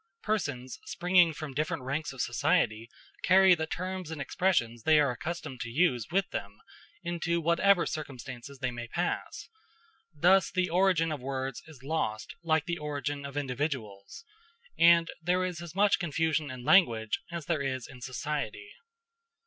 Persons springing from different ranks of society carry the terms and expressions they are accustomed to use with them, into whatever circumstances they may pass; thus the origin of words is lost like the origin of individuals, and there is as much confusion in language as there is in society.